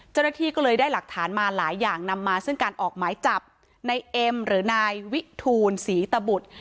เจ้าหน้าที่ก็เลยได้หลักฐานมาหลายอย่างนำมาซึ่งการออกหมายจับในเอ็มหรือนายวิทูลศรีตบุตร